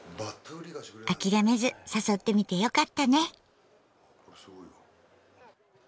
諦めず誘ってみてよかったね。